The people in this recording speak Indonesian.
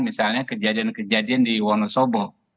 misalnya kejadian kejadian di wonosobo